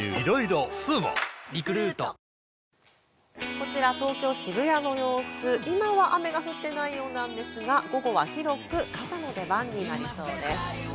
こちら東京・渋谷の様子、今は雨が降ってないようなんですが、午後は広く傘の出番になりそうです。